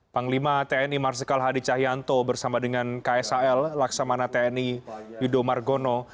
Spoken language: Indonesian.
panglima tni marsikal hadi cahyanto bersama dengan kshl laksamana tni yudo margono